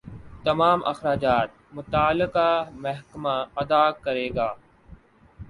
تمام اخراجات متعلقہ محکمہ ادا کرے گا